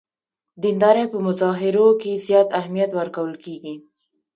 دیندارۍ په مظاهرو کې زیات اهمیت ورکول کېږي.